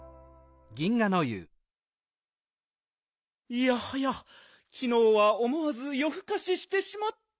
いやはやきのうはおもわずよふかししてしまって。